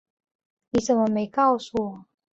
你怎么没告诉我